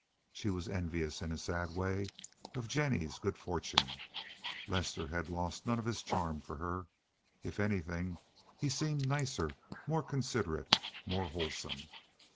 She was envious, in a sad way, of Jennie's good fortune. Lester had lost none of his charm for her. If anything, he seemed nicer, more considerate, more wholesome.